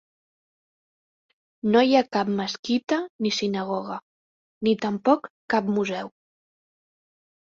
No hi ha cap mesquita ni sinagoga, ni tampoc cap museu.